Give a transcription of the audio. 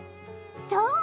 そう！